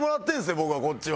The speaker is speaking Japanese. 僕はこっちは。